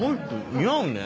似合うね。